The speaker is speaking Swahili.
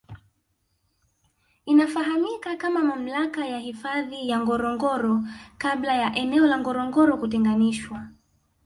Inafahamika kama mamlaka ya hifadhi ya Ngorongoro kabla ya eneo la Ngorongoro kutenganishwa